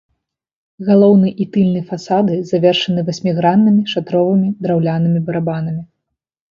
Галоўны і тыльны фасады завершаны васьміграннымі шатровымі драўлянымі барабанамі.